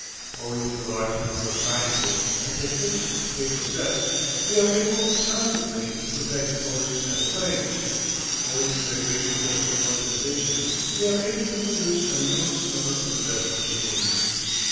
"Owing to the large number of scientists and technicians they possess they are able constantly to perfect motors and planes. Owing to their great industrial organization they are able to produce an enormous number of the best machines.